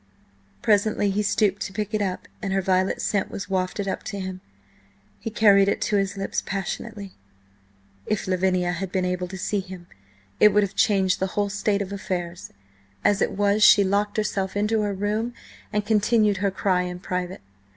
Presently he stooped to pick it up, and her violet scent was wafted up to him. He carried it to his lips, passionately. If Lavinia had been able to see him, it would have changed the whole state of affairs; as it was she locked herself into her room and continued her cry in private.